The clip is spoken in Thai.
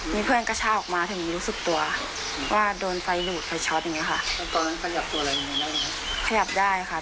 มีเพื่อนกระช่าออกมาถึงรู้สึกตัวว่าโดนไฟหนูไฟช็อตแบบนี้ค่ะ